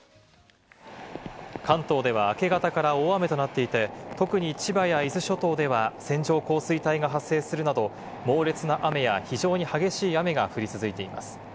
関東では明け方から大雨となっていて、特に千葉や伊豆諸島では線状降水帯が発生するなど、猛烈な雨や非常に激しい雨が降り続いています。